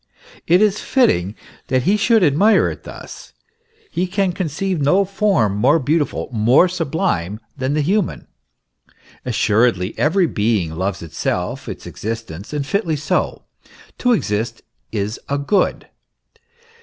It is fitting that he should admire it thus ; he can conceive no form more beautiful, more sublime than the human.* Assuredly every being loves itself, its exist ence and fitly so. To exist is a good.